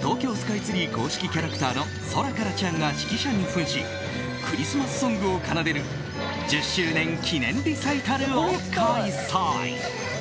東京スカイツリー公式キャラクターのソラカラちゃんが指揮者に扮しクリスマスソングを奏でる１０周年記念リサイタルを開催。